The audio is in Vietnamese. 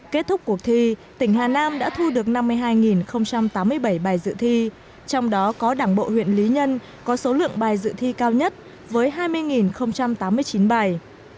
kết thúc cuộc thi tỉnh hà nam đã thu được năm mươi hai tám mươi bảy bài dự thi trong đó có đảng bộ huyện lý nhân có số lượng bài dự thi cao nhất với hai mươi tám mươi chín bài